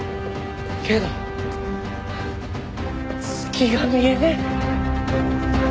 けど月が見えねえ！